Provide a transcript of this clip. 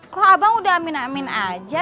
kok abang udah amin amin aja